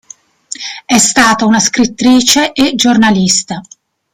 È stata una scrittrice e giornalista.